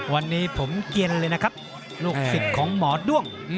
วันนี้ผมเย็นเลยนะครับลูกศิษย์ของหมอด้วง